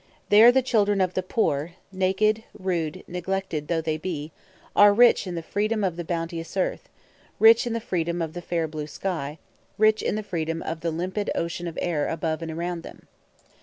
There the children of the poor naked, rude, neglected though they be are rich in the freedom of the bounteous earth, rich in the freedom of the fair blue sky, rich in the freedom of the limpid ocean of air above and around them.